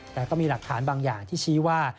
แต่ก็มีหลักฐานบางอย่างที่ชี้ว่า